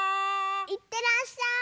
いってらっしゃい！